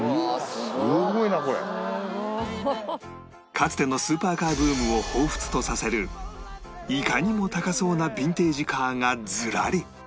かつてのスーパーカーブームを彷彿とさせるいかにも高そうなビンテージカーがずらり